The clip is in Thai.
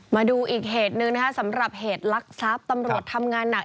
มาดูอีกเหตุหนึ่งนะคะสำหรับเหตุลักษัพตำรวจทำงานหนัก